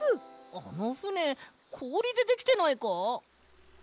あのふねこおりでできてないか？